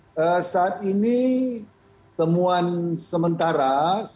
ya saat ini temuan sementara